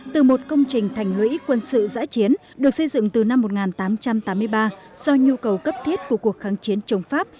từ một công trình thành lũy quân sự giãi chiến được xây dựng từ năm một nghìn tám trăm tám mươi ba do nhu cầu cấp thiết của cuộc kháng chiến chống pháp